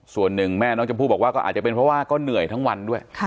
ส่วนหนึ่งแม่น้องชมพู่บอกว่าก็อาจจะเป็นเพราะว่าก็เหนื่อยทั้งวันด้วย